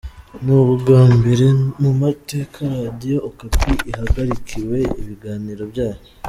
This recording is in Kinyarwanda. Ni ubwa mbere mu mateka Radio Okapi ihagarikiwe ibiganiro byayo.